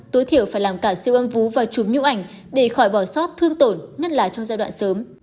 tối thiểu phải làm cả siêu âm vú và chụp nhũ ảnh để khỏi bỏ sót thương tổn nhất là trong giai đoạn sớm